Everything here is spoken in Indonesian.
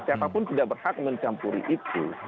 siapapun tidak berhak mencampuri itu